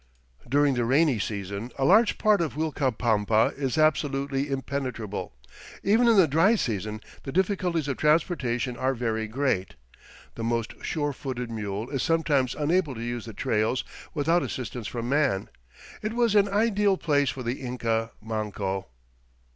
During the rainy season a large part of Uilcapampa is absolutely impenetrable. Even in the dry season the difficulties of transportation are very great. The most sure footed mule is sometimes unable to use the trails without assistance from man. It was an ideal place for the Inca Manco.